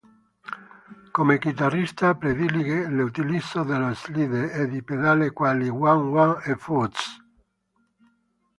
Come chitarrista predilige l'utilizzo dello slide e di pedali quali wah wah e fuzz.